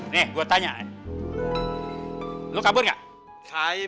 nih gue tanya nanti gua beritahu lo sama orang lainnya yang kacau kayak gini ya